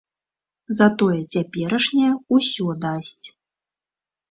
Затое цяперашняя ўсё дасць.